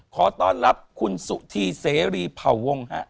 ขอต้อนรับคุณสุธีเสรีเผ่าวงฮะ